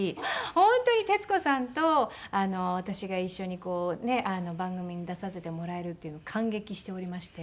本当に徹子さんと私が一緒に番組に出させてもらえるっていうのを感激しておりまして。